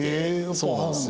そうなんですよ。